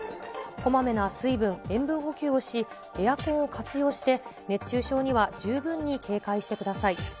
こまめな水分、塩分補給をし、エアコンを活用して熱中症には十分に警戒してください。